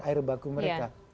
air baku mereka